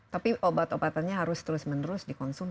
tapi obat obatannya harus terus menerus dikonsumsi